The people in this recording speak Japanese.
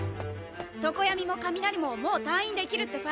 常闇も上鳴ももう退院できるってさ。